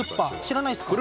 知らないっすか？